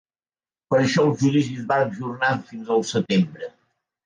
Per això el judici es va ajornar fins a setembre.